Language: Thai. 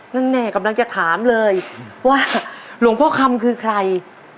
นั่นแน่กำลังจะถามเลยว่าหลวงพ่อคำคือใคร